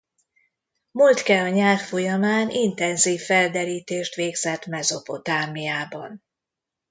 Moltke a nyár folyamán intenzív felderítést végzett Mezopotámiában.